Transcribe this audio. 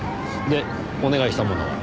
でお願いしたものは？